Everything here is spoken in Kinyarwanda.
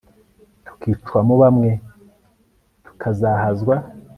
tukicwamo bamwe tukazahazwa